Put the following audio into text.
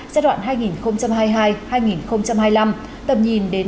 giai đoạn hai nghìn hai mươi hai hai nghìn hai mươi năm tầm nhìn đến năm hai nghìn ba mươi